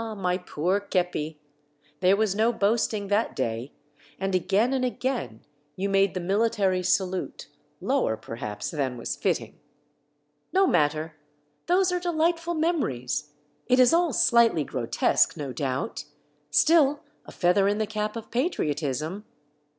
my poor kepi, there was no boasting that day, and again and again you made the military salute, lower per haps than was fitting. No matter ! those are dehghtful memories ; it is all slightly grotesque, no doubt, — still, a feather in the cap of patriotism.